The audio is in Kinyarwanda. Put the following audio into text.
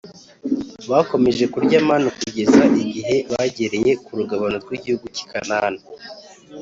Bakomeje kurya manu kugeza igihe bagereye ku rugabano rw igihugu cy i Kanani